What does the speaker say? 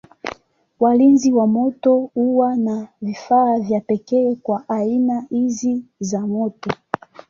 Walinzi wa moto huwa na vifaa vya pekee kwa aina hizi za moto.